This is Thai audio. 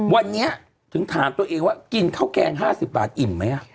วันนี้ถึงถามตัวเองว่ากินข้าวแกง๕๐บาทอิ่มไหม